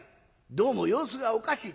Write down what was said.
どうも様子がおかしい。